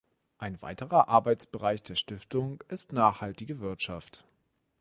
Ein weiterer Arbeitsbereich der Stiftung ist nachhaltige Wirtschaft.